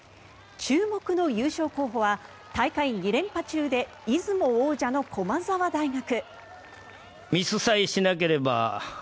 注目の優勝候補は大会２連覇中で出雲王者の駒澤大学。